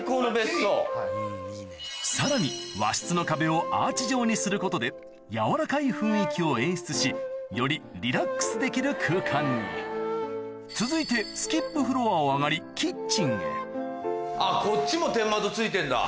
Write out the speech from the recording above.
さらに和室の壁をアーチ状にすることでやわらかい雰囲気を演出しよりリラックスできる空間に続いてスキップフロアを上がりあっこっちも天窓付いてんだ。